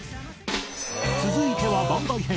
続いては番外編。